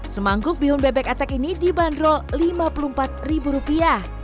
semangkuk bihun bebek atak ini dibanderol lima puluh empat ribu rupiah